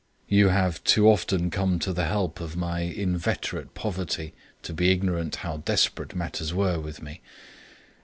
You have too often come to the help of my inveterate poverty to be ignorant how desperate matters were with me.